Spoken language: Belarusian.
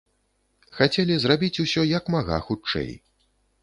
Хацелі зрабіць усё як мага хутчэй.